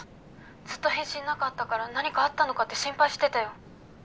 ずっと返信なかったから何かあったのかって心配してたよ。